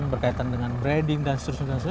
berkaitan dengan branding dan seterusnya seterusnya